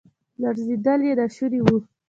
لړزیدل یې ناشوني وو.